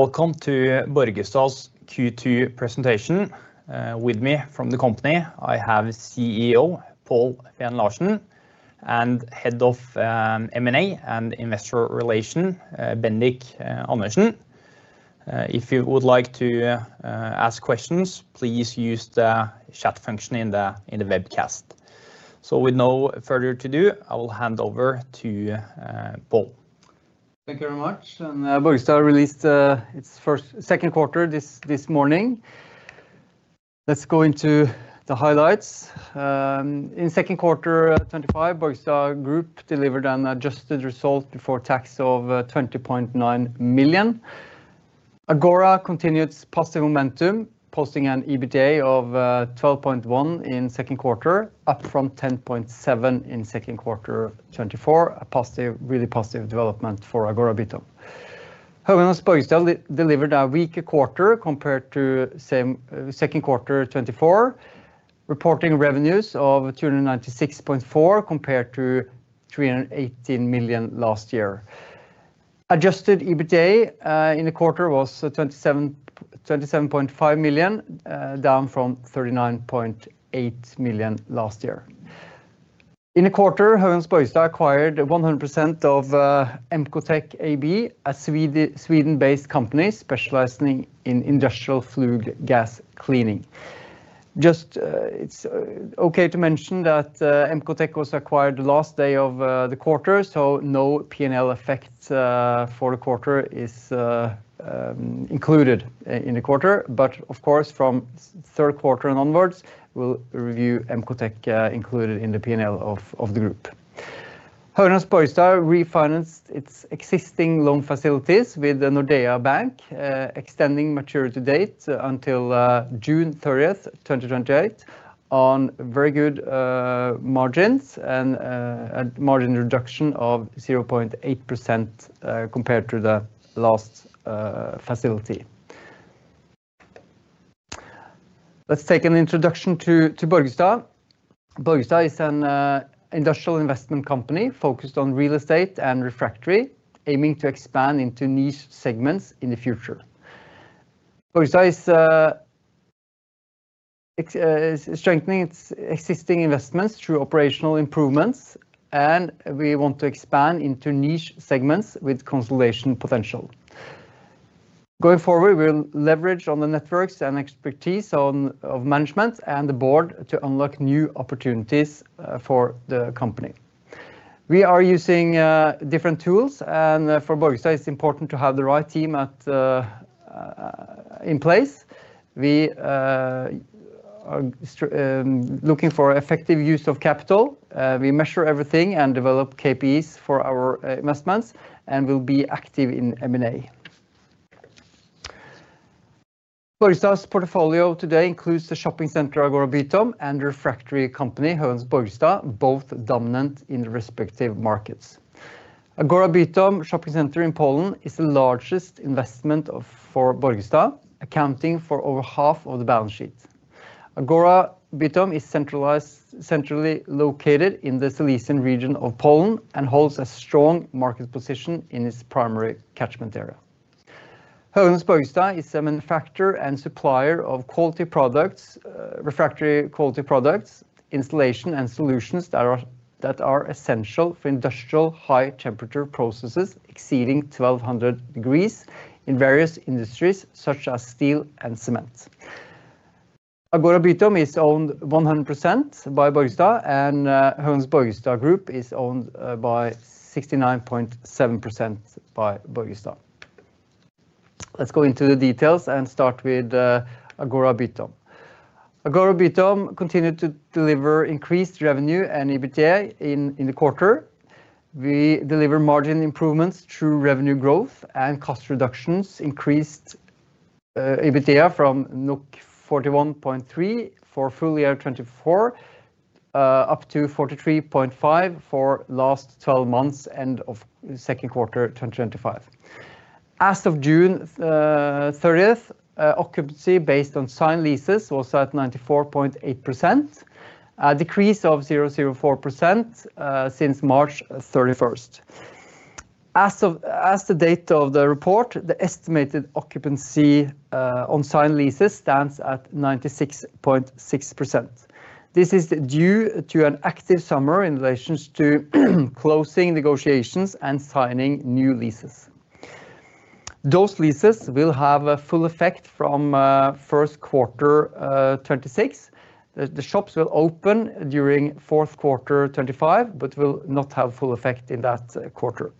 Welcome to Borgestad's Q2 presentation. With me from the company, I have CEO Pål Feen Larsen and Head of M&A and Investor Relations, Bendik Andersen. If you would like to ask questions, please use the chat function in the webcast. With no further ado, I will hand over to Pål. Thank you very much. Borgestad released its first- Second quarter this morning. Let's go into the highlights. In second quarter 2025, Borgestad Group delivered an adjusted result before tax of 20.9 million. Agora continued its positive momentum, posting an EBITDA of 12.1 million in second quarter, up from 10.7 million in second quarter 2024, a really positive development for Agora Bytom. Höganäs Borgestad delivered a weaker quarter compared to the same second quarter 2024, reporting revenues of 296.4 million compared to 318 million last year. Adjusted EBITDA in the quarter was 27.5 million, down from 39.8 million last year. In the quarter, Höganäs Borgestad acquired 100% of Emcotech AB, a Sweden-based company specializing in industrial flue gas cleaning. It's okay to mention that Emcotech was acquired the last day of the quarter, so no P&L effects for the quarter are included in the quarter. Of course, from third quarter and onwards, we'll review Emcotech included in the P&L of the group. Höganäs Borgestad refinanced its existing loan facilities with Nordea Bank, extending maturity date until June 30, 2028, on very good margins and a margin reduction of 0.8% compared to the last facility. Let's take an introduction to Borgestad. Borgestad is an industrial investment company focused on real estate and refractory, aiming to expand into niche segments in the future. Borgestad is strengthening its existing investments through operational improvements, and we want to expand into niche segments with consolidation potential. Going forward, we'll leverage on the networks and expertise of management and the board to unlock new opportunities for the company. We are using different tools, and for Borgestad, it's important to have the right team in place. We are looking for effective use of capital. We measure everything and develop KPIs for our investments and will be active in M&A. Borgestad's portfolio today includes the shopping center Agora Bytom and the refractory company, Höganäs Borgestad, both dominant in the respective markets. Agora Bytom shopping center in Poland is the largest investment for Borgestad, accounting for over half of the balance sheet. Agora Bytom is centrally located in the Silesian region of Poland and holds a strong market position in its primary catchment area. Höganäs Borgestad is a manufacturer and supplier of quality products, refractory quality products, installations, and concept solutions that are essential for industrial high-temperature processes exceeding 1,200 degrees in various industries such as steel and cement. Agora Bytom is owned 100% by Borgestad, and Höganäs Borgestad Group is owned 69.7% by Borgestad. Let's go into the details and start with Agora Bytom. Agora Bytom continued to deliver increased revenue and EBITDA in the quarter. We delivered margin improvements through revenue growth and cost reductions, increased EBITDA from 41.3% for full year 2024 up to 43.5% for the last 12 months end of second quarter 2025. As of June 30, occupancy based on signed leases was at 94.8%, a decrease of 0.04% since March 31. As of the date of the report, the estimated occupancy on signed leases stands at 96.6%. This is due to an active summer in relation to closing negotiations and signing new leases. Those leases will have a full effect from first quarter 2026. The shops will open during fourth quarter 2025, but will not have a full effect in that quarter.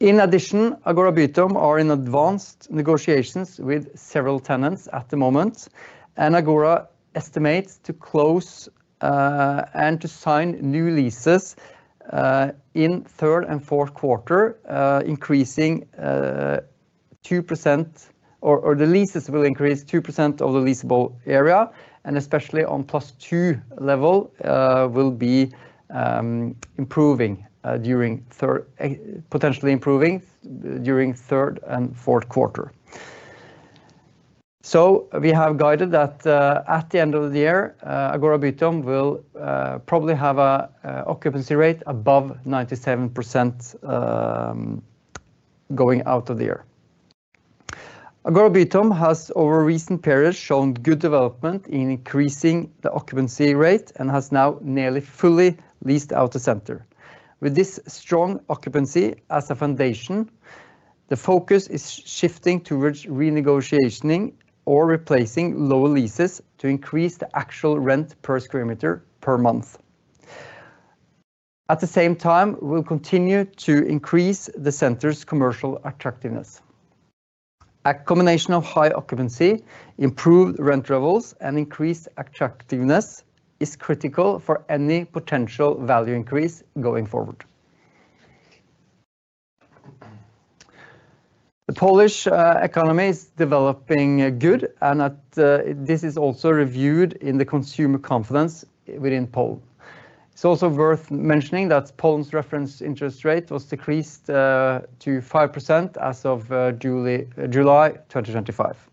In addition, Agora Bytom is in advanced negotiations with several tenants at the moment, and Agora estimates to close and to sign new leases in third and fourth quarter, increasing 2%, or the leases will increase 2% of the leasable area, and especially on +two level will be potentially improving during third and fourth quarter. We have guided that at the end of the year, Agora Bytom will probably have an occupancy rate above 97% going out of the year. Agora Bytom has over a recent period shown good development in increasing the occupancy rate and has now nearly fully leased out the center. With this strong occupancy as a foundation, the focus is shifting towards renegotiating or replacing lower leases to increase the actual rent per sq m per month. At the same time, we'll continue to increase the center's commercial attractiveness. A combination of high occupancy, improved rent levels, and increased attractiveness is critical for any potential value increase going forward. The Polish economy is developing good, and this is also reviewed in the consumer confidence within Poland. It's also worth mentioning that Poland's reference interest rate was decreased to 5% as of July 2025.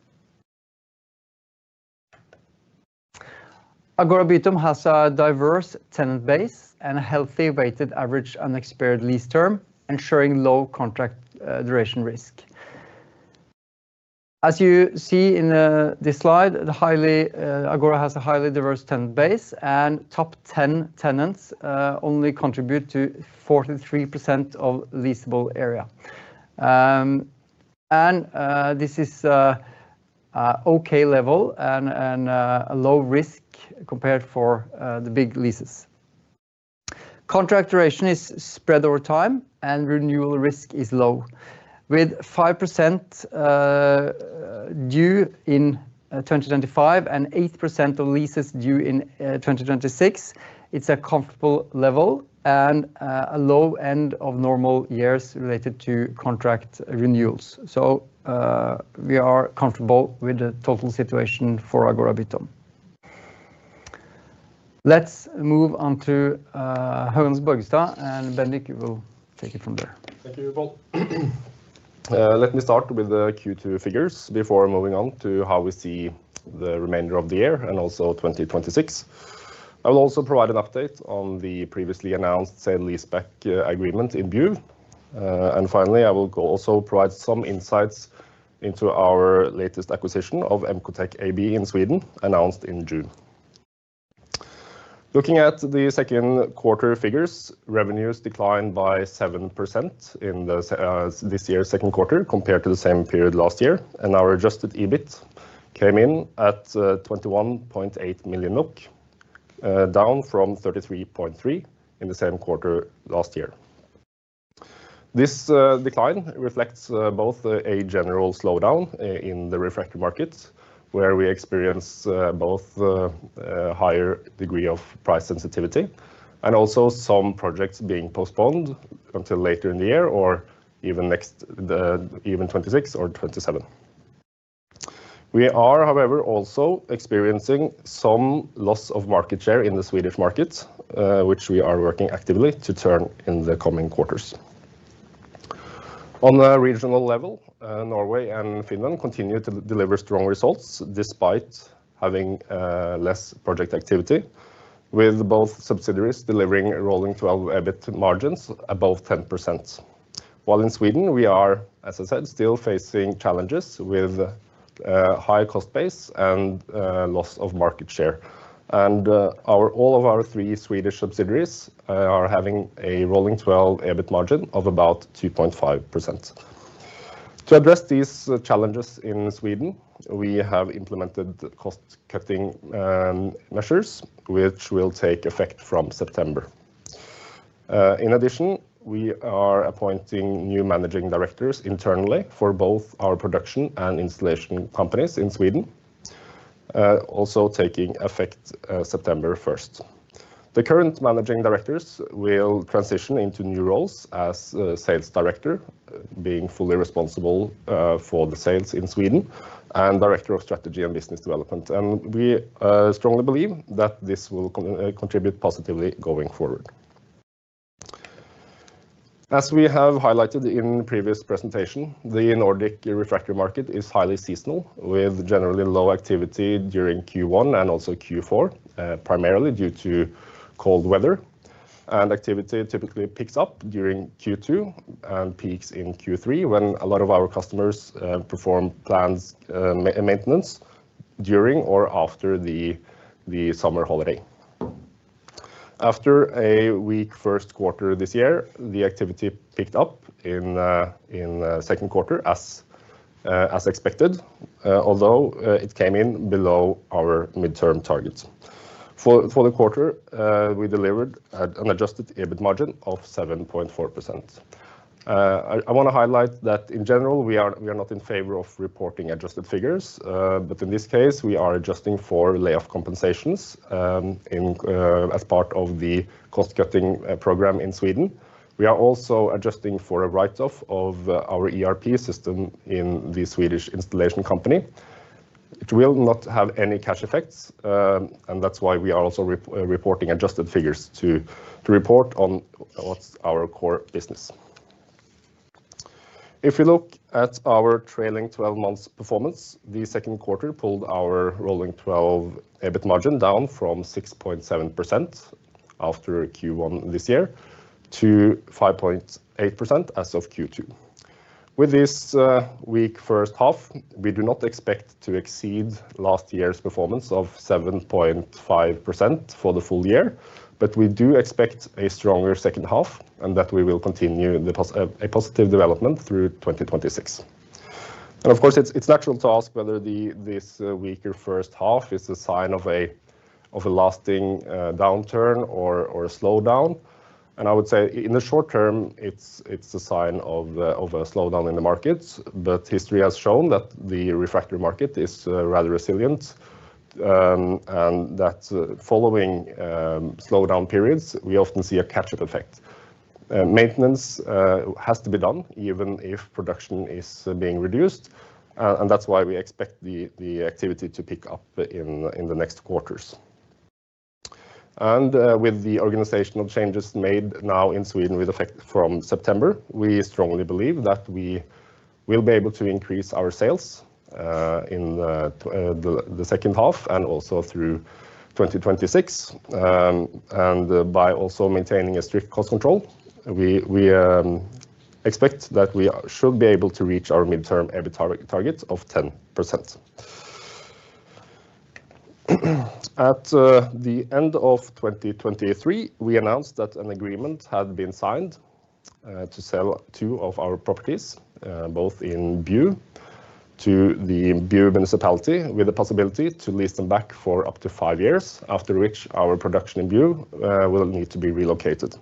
Agora Bytom has a diverse tenant base and a healthy weighted average unexpired lease term, ensuring low contract duration risk. As you see in this slide, Agora has a highly diverse tenant base, and top 10 tenants only contribute to 43% of leasable area. This is an okay level and a low risk compared to the big leases. Contract duration is spread over time, and renewal risk is low. With 5% due in 2025 and 8% of leases due in 2026, it's a comfortable level and a low end of normal years related to contract renewals. We are comfortable with the total situation for Agora Bytom. Let's move on to Höganäs Borgestad, and Bendik, you will take it from there. Thank you, Pål. Let me start with the Q2 figures before moving on to how we see the remainder of the year and also 2026. I will also provide an update on the previously announced sale lease back agreement in view. Finally, I will also provide some insights into our latest acquisition of Emcotech AB in Sweden, announced in June. Looking at the second quarter figures, revenues declined by 7% in this year's second quarter compared to the same period last year, and our adjusted EBIT came in at 21.8 million NOK, down from 33.3 million in the same quarter last year. This decline reflects both a general slowdown in the refractory markets, where we experience both a higher degree of price sensitivity and also some projects being postponed until later in the year or even next, even 2026 or 2027. We are, however, also experiencing some loss of market share in the Swedish markets, which we are working actively to turn in the coming quarters. On the regional level, Norway and Finland continue to deliver strong results despite having less project activity, with both subsidiaries delivering rolling 12 EBIT margins above 10%. While in Sweden, we are, as I said, still facing challenges with a high cost base and loss of market share. All of our three Swedish subsidiaries are having a rolling 12 EBIT margin of about 2.5%. To address these challenges in Sweden, we have implemented cost-cutting measures, which will take effect from September. In addition, we are appointing new Managing Directors internally for both our production and installation companies in Sweden, also taking effect September 1. The current Managing Directors will transition into new roles as Sales Director, being fully responsible for the sales in Sweden, and Director of Strategy and Business Development. We strongly believe that this will contribute positively going forward. As we have highlighted in the previous presentation, the Nordic refractory market is highly seasonal, with generally low activity during Q1 and also Q4, primarily due to cold weather. Activity typically picks up during Q2 and peaks in Q3 when a lot of our customers perform plans and maintenance during or after the summer holiday. After a weak first quarter this year, the activity picked up in the second quarter as expected, although it came in below our midterm targets. For the quarter, we delivered an adjusted EBITDA margin of 7.4%. I want to highlight that in general, we are not in favor of reporting adjusted figures, but in this case, we are adjusting for layoff compensations as part of the cost-cutting program in Sweden. We are also adjusting for a write-off of our ERP system in the Swedish installation company. It will not have any cash effects, and that's why we are also reporting adjusted figures to report on what's our core business. If you look at our trailing 12 months performance, the second quarter pulled our rolling 12 EBIT margin down from 6.7% after Q1 this year to 5.8% as of Q2. With this weak first half, we do not expect to exceed last year's performance of 7.5% for the full year, but we do expect a stronger second half and that we will continue a positive development through 2026. Of course, it's natural to ask whether this weaker first half is a sign of a lasting downturn or a slowdown. I would say in the short term, it's a sign of a slowdown in the markets, but history has shown that the refractory market is rather resilient and that following slowdown periods, we often see a catch-up effect. Maintenance has to be done even if production is being reduced, and that's why we expect the activity to pick up in the next quarters. With the organizational changes made now in Sweden with effect from September, we strongly believe that we will be able to increase our sales in the second half and also through 2026. By also maintaining a strict cost control, we expect that we should be able to reach our midterm EBIT target of 10%. At the end of 2023, we announced that an agreement had been signed to sell two of our properties, both in Bjuv, to the Bjuv municipality with the possibility to lease them back for up to five years, after which our production in Bjuv will need to be relocated.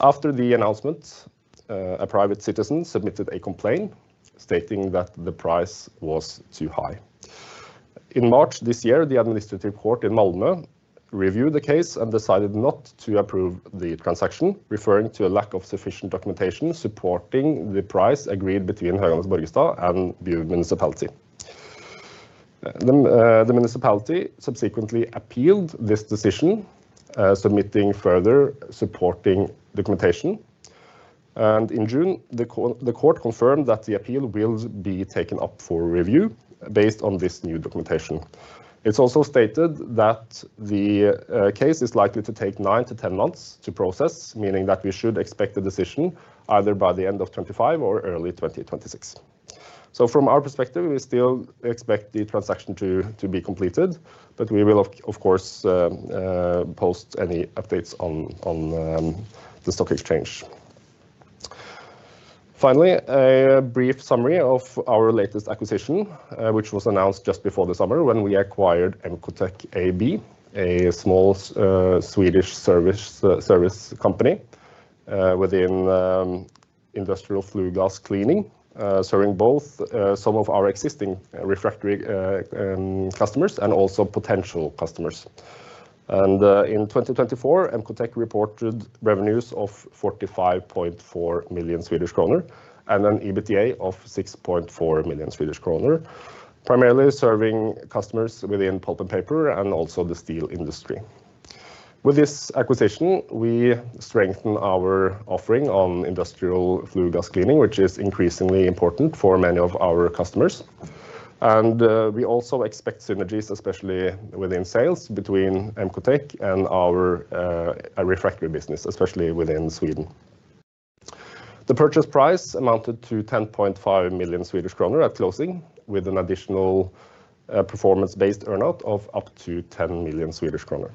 After the announcement, a private citizen submitted a complaint stating that the price was too high. In March this year, the administrative court in Malmö reviewed the case and decided not to approve the transaction, referring to a lack of sufficient documentation supporting the price agreed between Höganäs Borgestad and Bjuv municipality. The municipality subsequently appealed this decision, submitting further supporting documentation. In June, the court confirmed that the appeal will be taken up for review based on this new documentation. It's also stated that the case is likely to take nine to ten months to process, meaning that we should expect a decision either by the end of 2025 or early 2026. From our perspective, we still expect the transaction to be completed, but we will, of course, post any updates on the stock exchange. Finally, a brief summary of our latest acquisition, which was announced just before the summer when we acquired Emcotech AB, a small Swedish service company within industrial flue gas cleaning, serving both some of our existing refractory customers and also potential customers. In 2024, Emcotech reported revenues of 45.4 million Swedish kronor and an EBITDA of 6.4 million Swedish kronor, primarily serving customers within pulp and paper and also the steel industry. With this acquisition, we strengthen our offering on industrial flue gas cleaning, which is increasingly important for many of our customers. We also expect synergies, especially within sales between Emcotech and our refractory business, especially within Sweden. The purchase price amounted to 10.5 million Swedish kronor at closing, with an additional performance-based earn-out of up to 10 million Swedish kronor.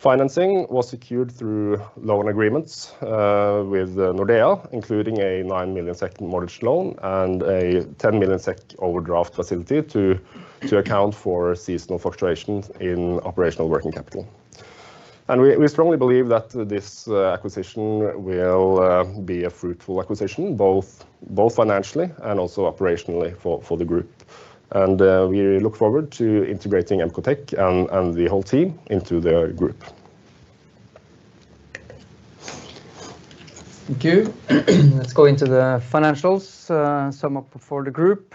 Financing was secured through loan agreements with Nordea, including a 9 million SEK second mortgage loan and a 10 million SEK second overdraft facility to account for seasonal fluctuations in operational working capital. We strongly believe that this acquisition will be a fruitful acquisition, both financially and also operationally for the group. We look forward to integrating Emcotech and the whole team into the group. Thank you. Let's go into the financials, some for the group.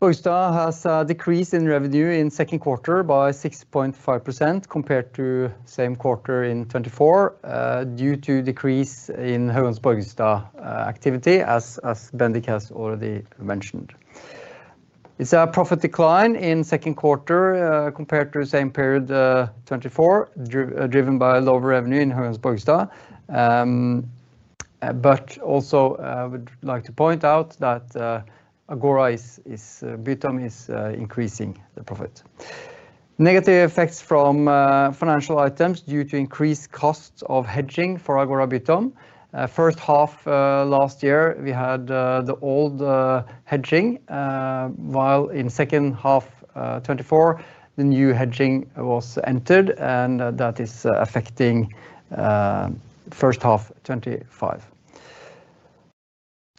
Borgestad has decreased in revenue in the second quarter by 6.5% compared to the same quarter in 2024 due to a decrease in Höganäs Borgestad activity, as Bendik has already mentioned. It's a profit decline in the second quarter compared to the same period, 2024, driven by lower revenue in Höganäs Borgestad. I would like to point out that Agora Bytom is increasing the profit. Negative effects from financial items due to increased costs of hedging for Agora Bytom. First half last year, we had the old hedging, while in the second half of 2024, the new hedging was entered, and that is affecting the first half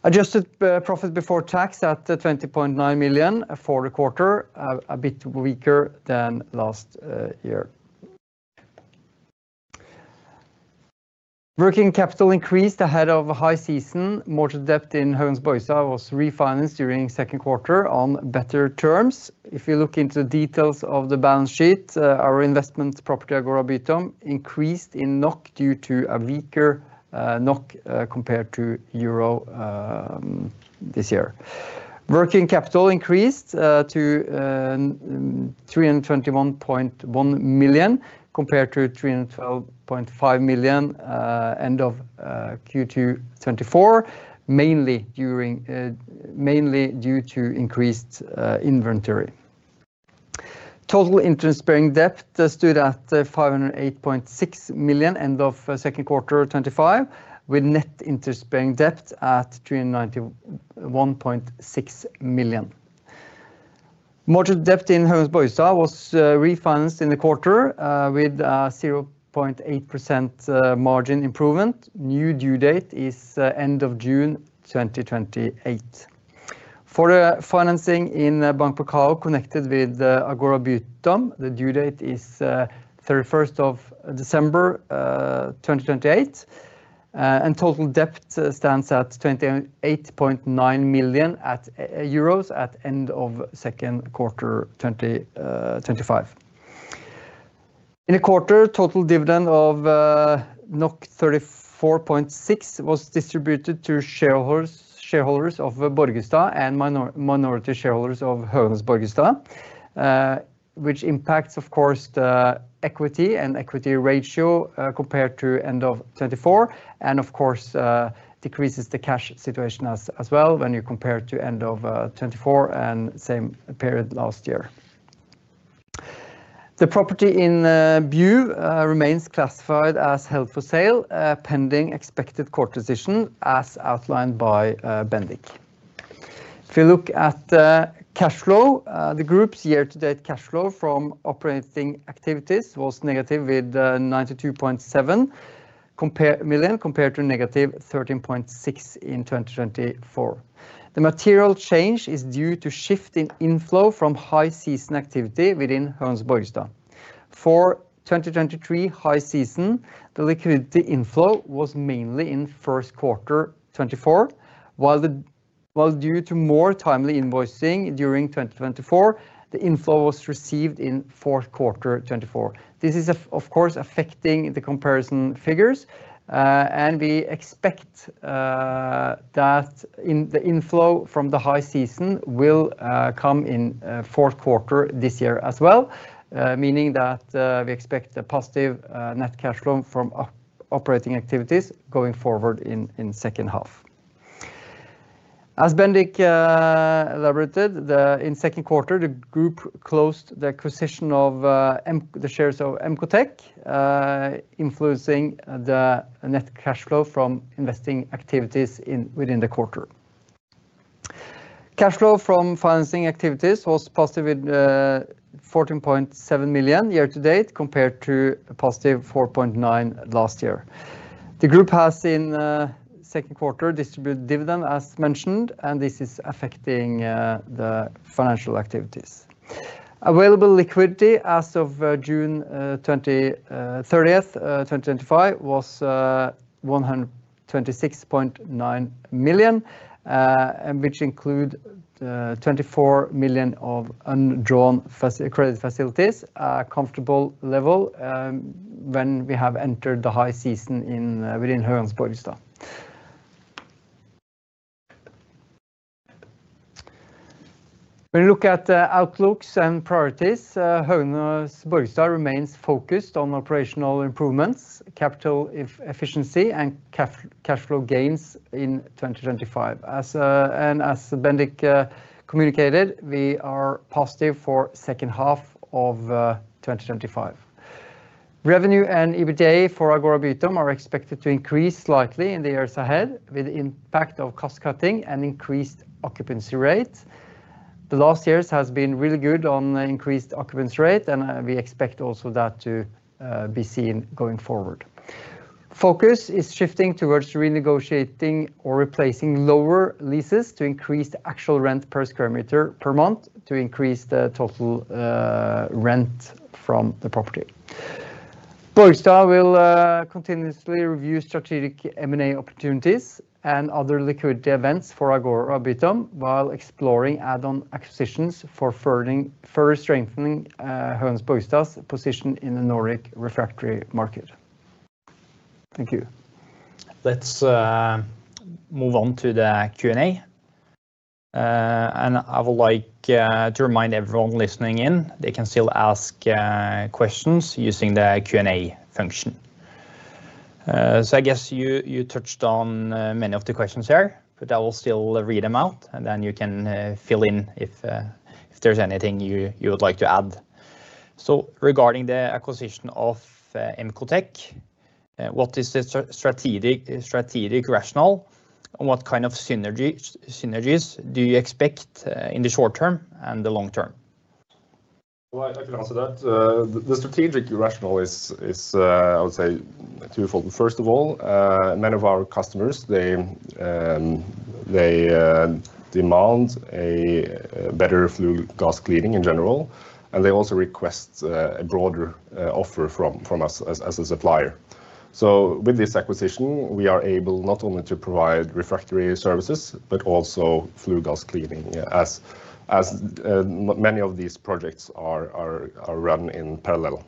of 2025. Adjusted profit before tax at 20.9 million for the quarter, a bit weaker than last year. Working capital increased ahead of a high season. Mortgage debt in Höganäs Borgestad was refinanced during the second quarter on better terms. If you look into the details of the balance sheet, our investment property Agora Bytom increased in NOK due to a weaker NOK compared to Euro this year. Working capital increased to 321.1 million compared to 312.5 million end of Q2 2024, mainly due to increased inventory. Total interest-bearing debt stood at 508.6 million end of second quarter 2025, with net interest-bearing debt at 391.6 million. Mortgage debt in Höganäs Borgestad was refinanced in the quarter with a 0.8% margin improvement. New due date is end of June 2028. For the financing in Nordea Bank connected with Agora Bytom, the due date is 31st of December 2028, and total debt stands at 28.9 million euros at the end of second quarter 2025. In the quarter, total dividend of 34.6 million was distributed to shareholders of Borgestad and minority shareholders of Höganäs Borgestad, which impacts, of course, the equity and equity ratio compared to the end of 2024, and of course, decreases the cash situation as well when you compare to the end of 2024 and the same period last year. The property in Bjuv remains classified as held for sale pending expected court decision as outlined by Bendik. If you look at cash flow, the group's year-to-date cash flow from operating activities was negative with 92.7 million compared to -13.6 million in 2024. The material change is due to a shift in inflow from high-season activity within Höganäs Borgestad. For 2023 high season, the liquidity inflow was mainly in first quarter 2024, while due to more timely invoicing during 2024, the inflow was received in fourth quarter 2024. This is, of course, affecting the comparison figures, and we expect that the inflow from the high season will come in the fourth quarter this year as well, meaning that we expect a positive net cash flow from operating activities going forward in the second half. As Bendik elaborated, in the second quarter, the group closed the acquisition of the shares of Emcotech, influencing the net cash flow from investing activities within the quarter. Cash flow from financing activities was positive with 14.7 million year-to-date compared to +4.9 million last year. The group has in the second quarter distributed dividend as mentioned, and this is affecting the financial activities. Available liquidity as of June 30, 2025 was 126.9 million, which includes 24 million of undrawn credit facilities, a comfortable level when we have entered the high season within Höganäs Borgestad. When you look at outlooks and priorities, Höganäs Borgestad remains focused on operational improvements, capital efficiency, and cash flow gains in 2025. As Bendik communicated, we are positive for the second half of 2025. Revenue and EBITDA for Agora Bytom are expected to increase slightly in the years ahead with the impact of cost cutting and increased occupancy rates. The last year has been really good on increased occupancy rates, and we expect also that to be seen going forward. Focus is shifting towards renegotiating or replacing lower leases to increase the actual rent per sq m per month to increase the total rent from the property. Borgestad will continuously review strategic M&A opportunities and other liquidity events for Agora Bytom while exploring add-on acquisitions for further strengthening Höganäs Borgestad's position in the Nordic refractory market. Thank you. Let's move on to the Q&A. I would like to remind everyone listening in, they can still ask questions using the Q&A function. I guess you touched on many of the questions here, but I will still read them out, and then you can fill in if there's anything you would like to add. Regarding the acquisition of Emcotech, what is the strategic rationale, and what kind of synergies do you expect in the short term and the long term? The strategic rationale is, I would say, twofold. First of all, many of our customers demand better flue gas cleaning in general, and they also request a broader offer from us as a supplier. With this acquisition, we are able not only to provide refractory services, but also flue gas cleaning as many of these projects are run in parallel.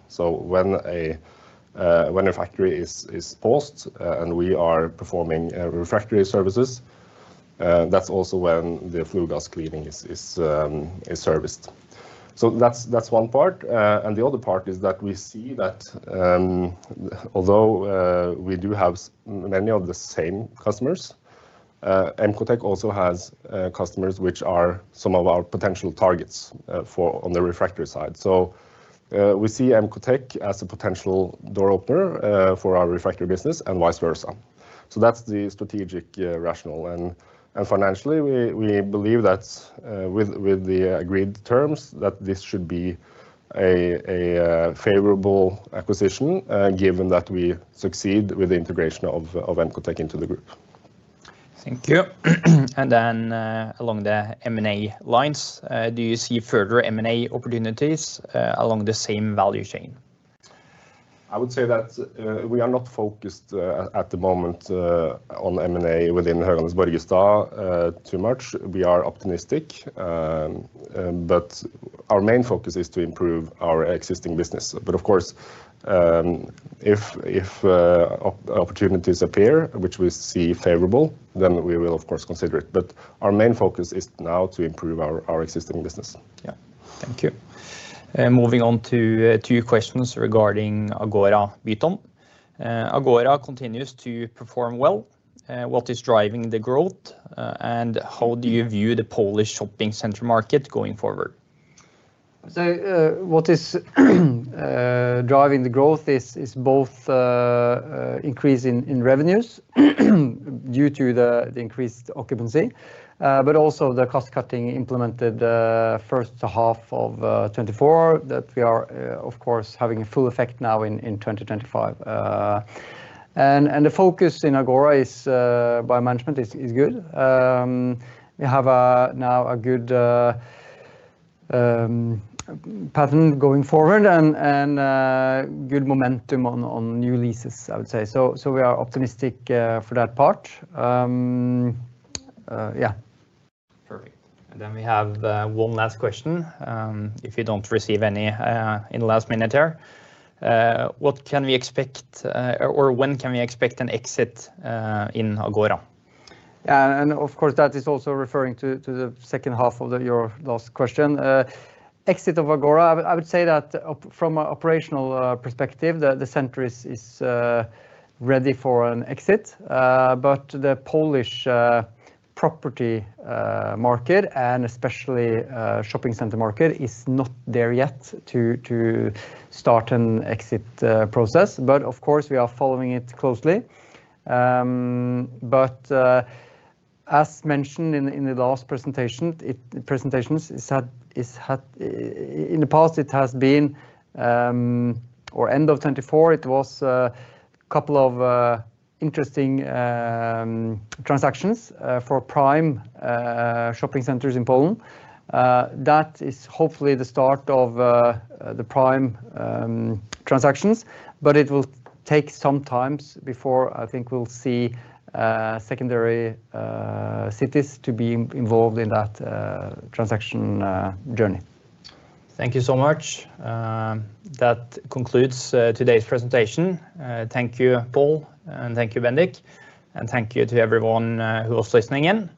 When a refractory is paused and we are performing refractory services, that's also when the flue gas cleaning is serviced. That's one part. The other part is that we see that although we do have many of the same customers, Emcotech also has customers which are some of our potential targets on the refractory side. We see Emcotech as a potential door opener for our refractory business and vice versa. That's the strategic rationale. Financially, we believe that with the agreed terms, this should be a favorable acquisition given that we succeed with the integration of Emcotech into the group. Thank you. Along the M&A lines, do you see further M&A opportunities along the same value chain? I would say that we are not focused at the moment on M&A within Höganäs Borgestad too much. We are optimistic, but our main focus is to improve our existing business. If opportunities appear, which we see favorable, we will, of course, consider it. Our main focus is now to improve our existing business. Yeah, thank you. Moving on to two questions regarding Agora Bytom. Agora continues to perform well. What is driving the growth, and how do you view the Polish shopping center market going forward? What is driving the growth is both increase in revenues due to the increased occupancy, but also the cost cutting implemented the first half of 2024 that we are, of course, having a full effect now in 2025. The focus in Agora Bytom by management is good. We have now a good pattern going forward and good momentum on new leases, I would say. We are optimistic for that part. Yeah. Perfect. We have one last question. If you don't receive any in the last minute here, what can we expect or when can we expect an exit in Agora? Yeah, and of course, that is also referring to the second half of your last question. Exit of Agora, I would say that from an operational perspective, the center is ready for an exit, but the Polish property market and especially the shopping center market is not there yet to start an exit process. We are following it closely. As mentioned in the last presentations, in the past, it has been, or end of 2024, it was a couple of interesting transactions for prime shopping centers in Poland. That is hopefully the start of the prime transactions, but it will take some time before I think we'll see secondary cities to be involved in that transaction journey. Thank you so much. That concludes today's presentation. Thank you, Pål, and thank you, Bendik. Thank you to everyone who was listening in.